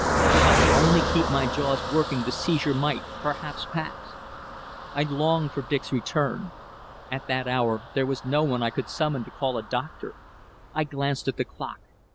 If I could only keep my jaws working the seizure might, perhaps, pass. I longed for Dick's return. At that hour there was no one I could summon to call a doctor. I glanced at the clock.